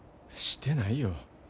してないよ。